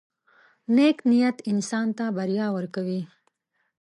• نیک نیت انسان ته بریا ورکوي.